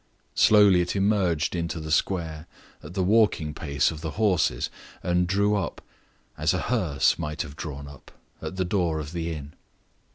Slowly it emerged into the square, at the walking pace of the horses, and drew up, as a hearse might have drawn up, at the door of the inn.